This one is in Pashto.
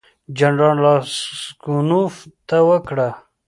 جنرال راسګونوف ته وکړه.